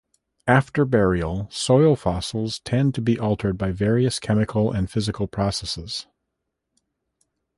After burial, soil fossils tend to be altered by various chemical and physical processes.